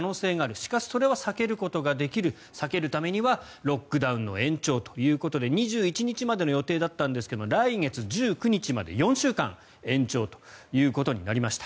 しかしそれは避けることができる避けるためにはロックダウンの延長ということで２１日までの予定だったんですが来月１９日まで４週間延長となりました。